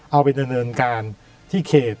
เอาไปดำเนินการที่เขต